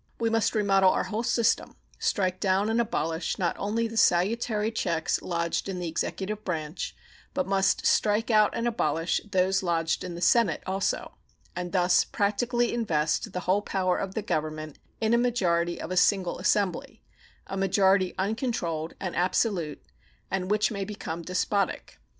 We must remodel our whole system, strike down and abolish not only the salutary checks lodged in the executive branch, but must strike out and abolish those lodged in the Senate also, and thus practically invest the whole power of the Government in a majority of a single assembly a majority uncontrolled and absolute, and which may become despotic.